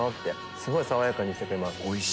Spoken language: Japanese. すごい爽やかにしてくれます。